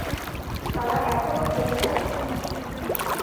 তারা এখনো পৌঁছায়নি।